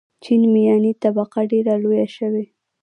چین میاني طبقه ډېره لویه شوې.